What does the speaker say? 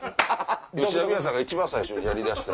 吉田美和さんが一番最初にやりだした。